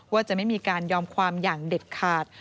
ว่าจะไม่มีการยอมความอย่างเด็ดขาด